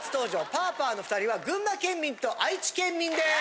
パーパーの２人は群馬県民と愛知県民です！